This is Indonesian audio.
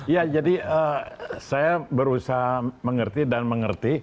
ya jadi saya berusaha mengerti dan mengerti